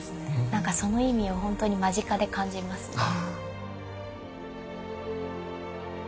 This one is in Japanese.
何かその意味をほんとに間近で感じますね。